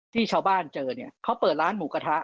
ที่ชาวบ้านเจอเนี่ยเขาเปิดร้านหมูกระทะ